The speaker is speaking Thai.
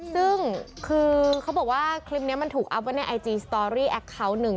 ซึ่งคือเขาบอกว่าคลิปนี้มันถูกอัพไว้ในไอจีสตอรี่แอคเคาน์หนึ่ง